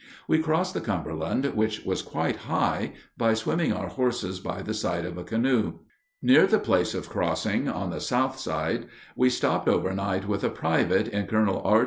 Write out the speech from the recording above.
We crossed the Cumberland, which was quite high, by swimming our horses by the side of a canoe. Near the place of crossing, on the south side, we stopped overnight with a private in Colonel R.